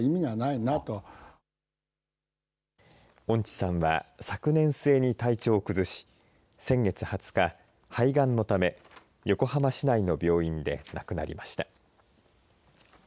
恩地さんは昨年末に体調を崩し先月２０日、肺がんのため横浜市内の病院で亡くなりました。